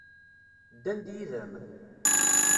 Ddan-d yid-m?